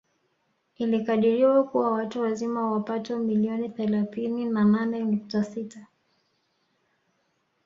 Ilikadiriwa kuwa watu wazima wapato milioni thalathini na nane nukta sita